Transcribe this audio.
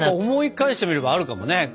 思い返してみればあるかもね。